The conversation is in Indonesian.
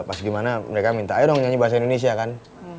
pas gimana mereka minta ayo dong nyanyi bahasa indonesia kan